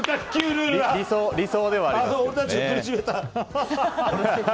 理想ではありますね。